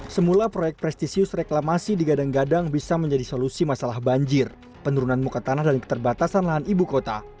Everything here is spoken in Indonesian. semula proyek prestisius reklamasi digadang gadang bisa menjadi solusi masalah banjir penurunan muka tanah dan keterbatasan lahan ibu kota